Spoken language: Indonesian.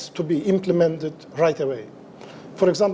untuk diimplementasikan dengan cepat